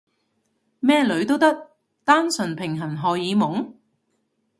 咩女都得？單純平衡荷爾蒙？